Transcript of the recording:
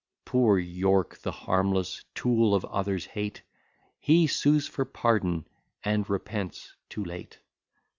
Poor York! the harmless tool of others' hate; He sues for pardon, and repents too late.